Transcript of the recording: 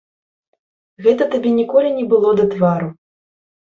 Гэта табе ніколі не было да твару.